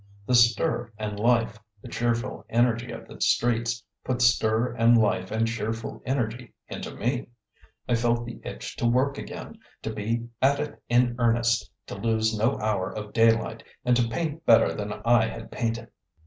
The stir and life, the cheerful energy of the streets, put stir and life and cheerful energy into me. I felt the itch to work again, to be at it, at it in earnest to lose no hour of daylight, and to paint better than I had painted!